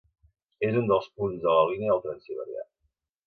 És un dels punts de la línia del Transsiberià.